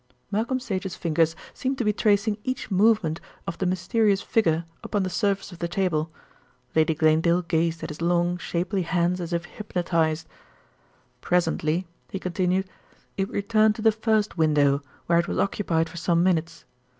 Malcolm Sage's fingers seemed to be tracing each movement of the mysterious figure upon the surface of the table. Lady Glanedale gazed at his long, shapely hands as if hypnotised. "Presently," he continued, "it returned to the first window, where it was occupied for some minutes.